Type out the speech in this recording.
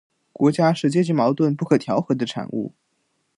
国家是阶级矛盾不可调和的产物